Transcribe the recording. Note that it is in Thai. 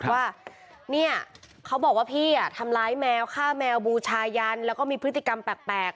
ว่าเนี่ยเขาบอกว่าพี่ทำร้ายแมวฆ่าแมวบูชายันแล้วก็มีพฤติกรรมแปลก